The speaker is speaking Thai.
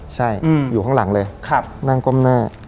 ใช่อยู่ข้างหลังเลยนั่งก้มหน้า